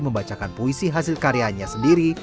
membacakan puisi hasil karyanya sendiri